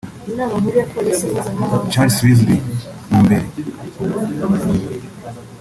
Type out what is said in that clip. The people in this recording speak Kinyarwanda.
Charles Wesley Mumbere